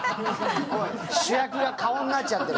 主役が顔になっちゃってる。